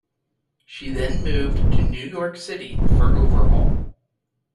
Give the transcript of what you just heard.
She then moved to New York City for overhaul.